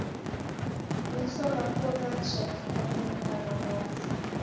Meso ghapo ghacha ghikaninekagha w'asi.